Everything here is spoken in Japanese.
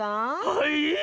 はい？